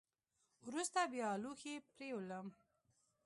وروسته بیا لوښي پرېولم .